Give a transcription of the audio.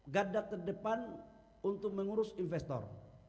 gada terdepan untuk mengurus investor